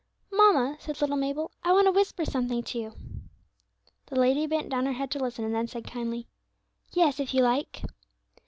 "Mamma," said little Mabel, "I want to whisper something to you." The lady bent down her head to listen, and then said kindly, "Yes, if you like."